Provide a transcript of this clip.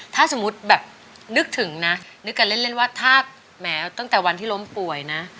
ถ้าสมมุติแบบนึกถึงนะนึกกันเล่นว่าถ้าแม้ตั้งแต่วันที่ล้มป่วยนะ